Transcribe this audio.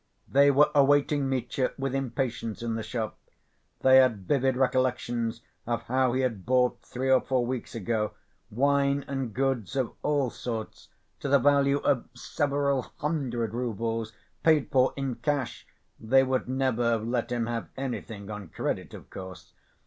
They were awaiting Mitya with impatience in the shop. They had vivid recollections of how he had bought, three or four weeks ago, wine and goods of all sorts to the value of several hundred roubles, paid for in cash (they would never have let him have anything on credit, of course).